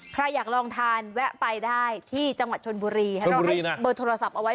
ใครอยากลองทานแวะไปได้ที่จังหวัดชนบุรีให้เราให้เบอร์โทรศัพท์เอาไว้